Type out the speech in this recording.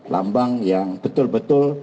lambang yang betul betul